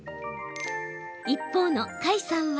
一方の花衣さんは。